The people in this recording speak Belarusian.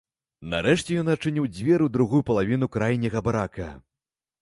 Нарэшце ён адчыніў дзверы ў другую палавіну крайняга барака.